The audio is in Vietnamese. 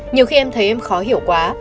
nhiều khi em thấy em khó hiểu quá